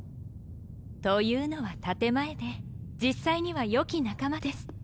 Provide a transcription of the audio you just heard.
というのは建前で実際には良き仲間です。